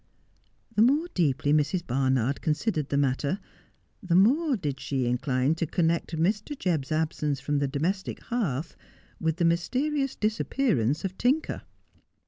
The more deeply Mrs. Barnard considered the matter the more did she incline to connect Mr. Jebb's absence from the domestic hearth with the mysterious disappearance of Tinker.